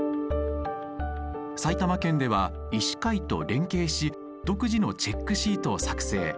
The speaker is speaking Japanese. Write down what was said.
埼玉県では医師会と連携し独自のチェックシートを作成。